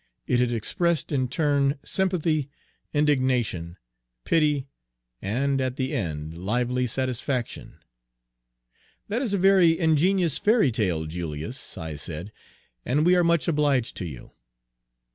It had expressed in turn sympathy, indignation, pity, and at the end lively satisfaction. Page 159 "That is a very ingenious fairy tale, Julius," I said, "and we are much obliged to you."